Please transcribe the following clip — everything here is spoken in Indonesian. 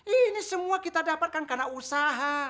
ini semua kita dapatkan karena usaha